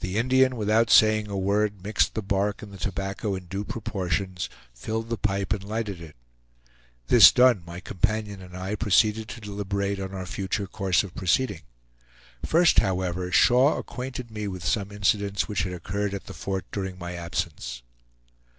The Indian, without saying a word, mixed the bark and the tobacco in due proportions, filled the pipe and lighted it. This done, my companion and I proceeded to deliberate on our future course of proceeding; first, however, Shaw acquainted me with some incidents which had occurred at the fort during my absence.